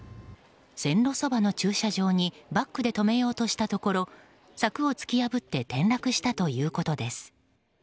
線路そばの駐車場にバックで止めようとしたところ柵を突き破って転落したということです。